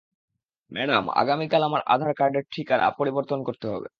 Madam, আগামীকাল আমার আধার কার্ডের ঠিকানা, পরিবর্তন করতে হবে।